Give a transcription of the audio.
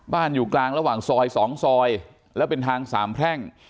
อยู่กลางระหว่างซอย๒ซอยแล้วเป็นทางสามแพร่ง